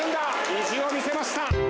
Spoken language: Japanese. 意地を見せました。